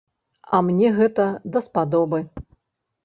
А мне гэта даспадобы.